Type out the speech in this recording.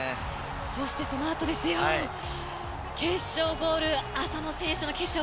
そして、そのあとですよ決勝ゴール。